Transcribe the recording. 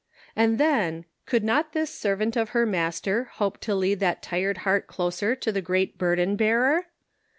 And then could not this ser vant of her Master hope to lead that tired heart closer to the great burden Bearer?